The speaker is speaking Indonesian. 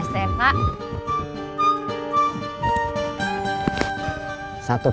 ktp sim stfa